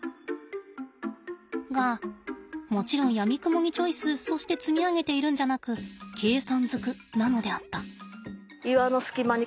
がもちろんやみくもにチョイスそして積み上げているんじゃなく計算ずくなのであった。